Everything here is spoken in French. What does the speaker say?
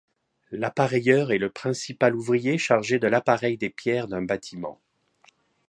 L'appareilleur est le principal ouvrier chargé de l'appareil des pierres d'un bâtiment.